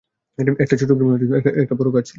একটা ছোট গ্রামে একটা বড় গাছ ছিল।